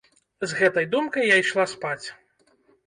З гэтай думкай я ішла спаць.